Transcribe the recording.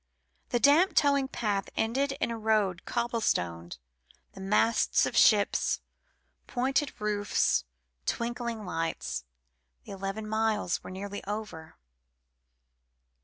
The damp towing path ended in a road cobblestoned, the masts of ships, pointed roofs, twinkling lights. The eleven miles were nearly over.